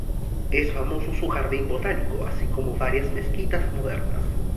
Es famoso su jardín botánico, así como varias mezquitas modernas.